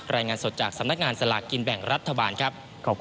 รายงานสดจากสำนักงานสลากกินแบ่งรัฐบาลครับ